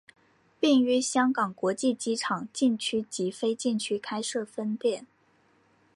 并于香港国际机场禁区及非禁区开设分店。